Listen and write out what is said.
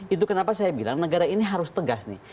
itu kenapa saya bilang negara ini harus tegas nih